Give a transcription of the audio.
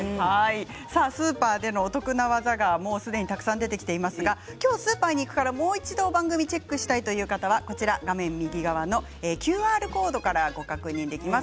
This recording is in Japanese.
スーパーでのお得な技がすでにたくさん出てきましたが今日スーパーに行くからもう一度番組をチェックしたいという方は画面右側のＱＲコードからご確認できます。